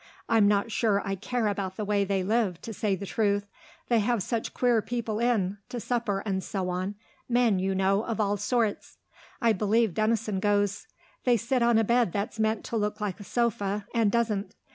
I'm not sure I care about the way they live, to say the truth. They have such queer people in, to supper and so on. Men, you know, of all sorts. I believe Denison goes. They sit on a bed that's meant to look like a sofa and doesn't.